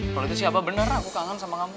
kalau itu siapa benar aku kangen sama kamu